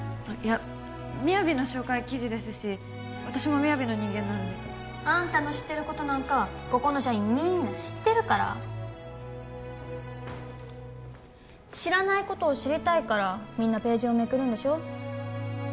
いや「ＭＩＹＡＶＩ」の紹介記事ですし私も「ＭＩＹＡＶＩ」の人間なんであんたの知ってることなんかここの社員みんな知ってるから知らないことを知りたいからみんなページをめくるんでしょ？